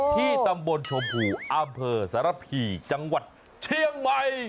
ที่ตำบลชมพูอำเภอสารพีจังหวัดเชียงใหม่